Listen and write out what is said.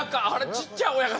ちっちゃ親方！